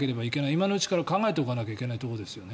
今のうちから考えておかなきゃいけないところですよね。